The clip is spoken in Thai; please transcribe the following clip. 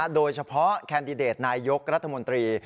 โดยเฉพาะแคนดิเดตนายยกรัฐมนตรี